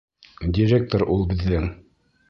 Директор ул беҙҙең.